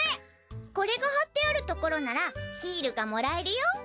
これが貼ってあるところならシールがもらえるよ。